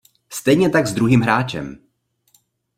Stejně tak s druhým hráčem.